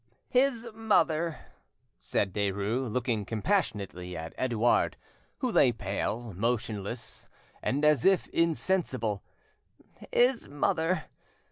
"His mother," said Derues, looking compassionately at Edouard, who lay pale, motionless, and as if insensible,—"his mother!